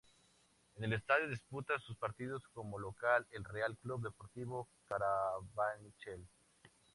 En el estadio disputa sus partidos como local el Real Club Deportivo Carabanchel.